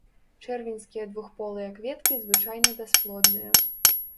Чэрвеньскія двухполыя кветкі звычайна бясплодныя.